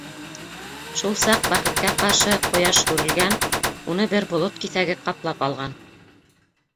Шул саҡ, бәхеткә ҡаршы, ҡояш һүрелгән, уны бер болот киҫәге ҡаплап алған.